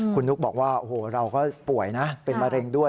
คุณนุ๊กบอกว่าโอ้โหเราก็ป่วยนะเป็นมะเร็งด้วย